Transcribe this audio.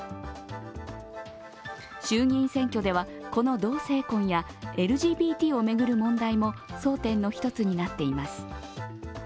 衆議院選挙ではこの同性婚やＬＧＢＴを巡る問題も争点の１つになっています。